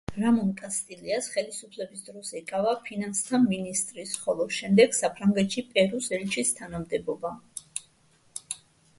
რამონ კასტილიას ხელისუფლების დროს ეკავა ფინანსთა მინისტრის, ხოლო შემდეგ საფრანგეთში პერუს ელჩის თანამდებობა.